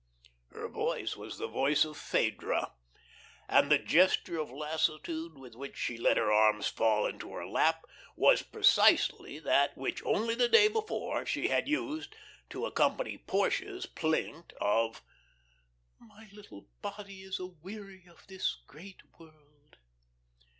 Her voice was the voice of Phedre, and the gesture of lassitude with which she let her arms fall into her lap was precisely that which only the day before she had used to accompany Portia's plaint of my little body is a weary of this great world.